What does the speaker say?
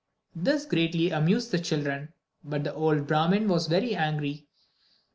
This greatly amused the children; but the old Brahmin was very angry.